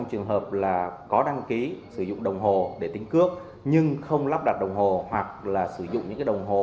có đăng ký sử dụng đồng hồ để tính cước nhưng không lắp đặt đồng hồ hoặc là sử dụng những đồng hồ